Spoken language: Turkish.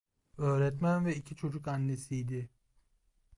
Öğretmen ve iki çocuk annesiydi.